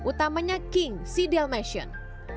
utamanya king si dalmatian